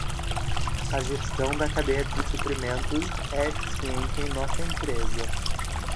A gestão da cadeia de suprimentos é eficiente em nossa empresa.